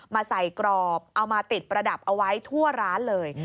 มาใส่กรอบเอามาติดประดับเอาไว้ทั่วร้านเลย